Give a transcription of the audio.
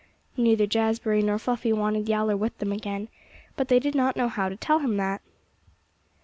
Neither Jazbury nor Fluffy wanted Yowler with them again, but they did not know how to tell him that.